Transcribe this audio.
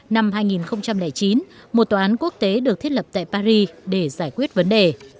năm hai nghìn chín một tòa án quốc tế được thiết lập tại paris để giải quyết vấn đề